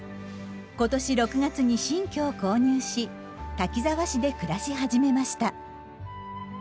今年６月に新居を購入し滝沢市で暮らし始めました。